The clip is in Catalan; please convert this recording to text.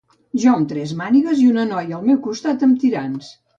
Jo amb tres mànigues i una noia al meu costat amb tirants